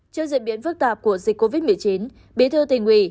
trước diễn biến phức tạp của dịch covid một mươi chín bí thư tình hủy